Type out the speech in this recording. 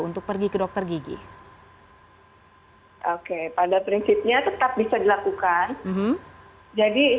untuk pergi ke dokter gigi hai oke pada prinsipnya tetap bisa dilakukan jadi